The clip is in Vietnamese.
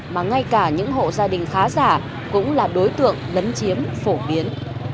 mà ngay cả những hộ gia đình khá giả cũng là đối tượng lấn chiếm phổ biến